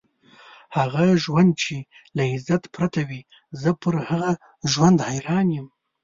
هغه ژوند چې له عزت پرته وي، زه پر هغه ژوند حیران یم.